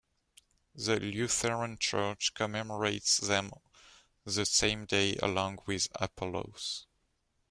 The Lutheran Church commemorates them the same day along with Apollos.